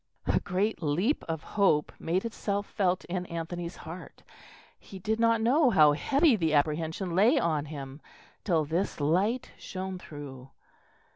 A great leap of hope made itself felt in Anthony's heart; he did not know how heavy the apprehension lay on him till this light shone through.